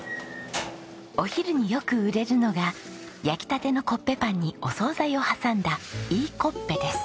お昼によく売れるのが焼きたてのコッペパンにお総菜を挟んだいいこっぺです。